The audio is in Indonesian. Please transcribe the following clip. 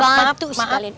sampai gaya batu sekalian